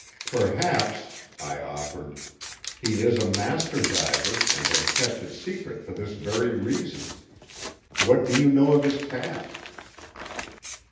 "Perhaps," I offered, "he is a master diver, and had kept it secret for this very reason. What do you know of his past?"